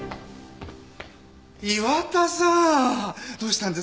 岩田さん！